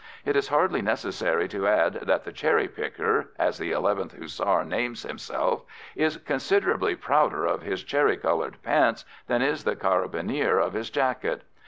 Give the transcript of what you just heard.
It is hardly necessary to add that the "Cherry picker," as the 11th Hussar names himself, is considerably prouder of his cherry coloured pants than is the Carabinier of his jacket.